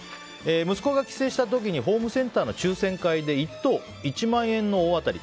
息子が帰省した時にホームセンターの抽選会で１等、１万円の大当たり。